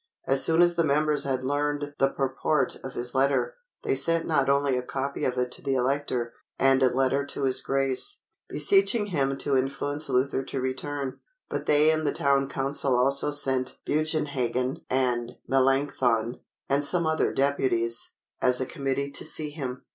As soon as the members had learned the purport of his letter, they sent not only a copy of it to the Elector, and a letter to his Grace, beseeching him to influence Luther to return; but they and the town council also sent Bugenhagen and Melanchthon, and some other deputies, as a committee to see him.